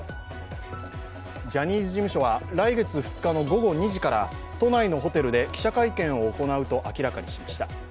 ジャニーズ事務所は来月２日の午後２時から都内のホテルで記者会見を行うと明らかにしました。